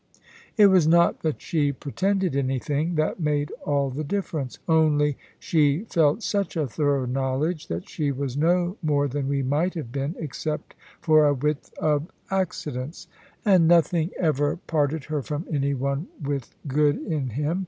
It was not that she pretended anything; that made all the difference. Only she felt such a thorough knowledge that she was no more than we might have been, except for a width of accidents. And nothing ever parted her from any one with good in him.